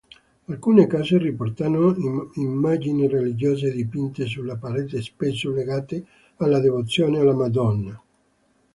Alcune case riportano immagini religiose dipinte sulla parete spesso legate alla devozione alla Madonna.